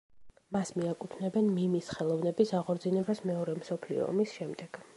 მას მიაკუთვნებენ მიმის ხელოვნების აღორძინებას მეორე მსოფლიო ომის შემდეგ.